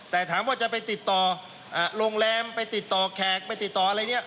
แต่ถามว่าจะไปติดต่อโรงแรมไปติดต่อแขกไปติดต่ออะไรเนี่ย